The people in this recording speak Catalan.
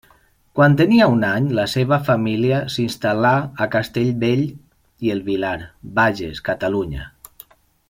Quan tenia un any la seva família s’instal·là a Castellbell i el Vilar, Bages, Catalunya.